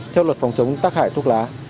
theo luật phòng chống tác hại thuốc lá